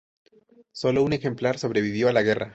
Solo un ejemplar sobrevivió a la guerra.